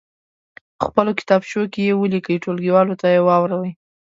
په خپلو کتابچو کې یې ولیکئ ټولګیوالو ته واوروئ.